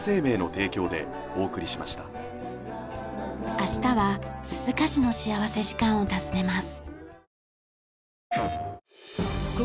明日は鈴鹿市の幸福時間を訪ねます。